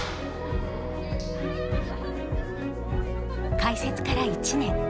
開設から１年。